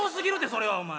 それはお前。